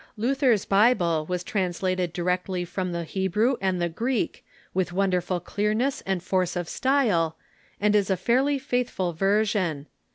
Luther's Bible was trans lated directly from the Hebrew and the Greek, with wonder ful clearness and force of style, and is a fairly faithful ver sion.